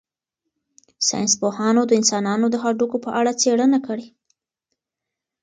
ساینس پوهانو د انسانانو د هډوکو په اړه څېړنه کړې.